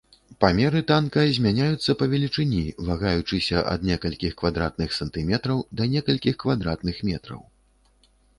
Памеры танка змяняюцца па велічыні, вагаючыся ад некалькіх квадратных сантыметраў да некалькіх квадратных метраў.